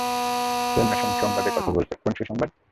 সে অন্য সুসংবাদের কথা বলছে, কোন সুসংবাদ?